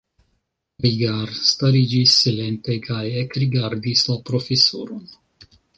Rigar stariĝis silente kaj ekrigardis la profesoron.